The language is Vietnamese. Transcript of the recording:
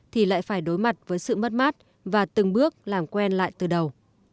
thì lại phải đối mặt với sự mất mát và từng bước làm quen lại từ đầu